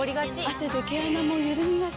汗で毛穴もゆるみがち。